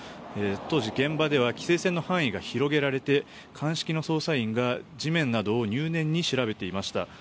当時、現場では規制線の範囲が広げられて鑑識の捜査員が地面などを入念に調べていました。